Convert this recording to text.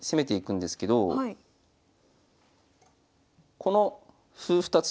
この歩２つをね